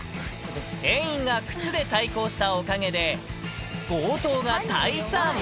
店員が靴で対抗したおかげで強盗が退散。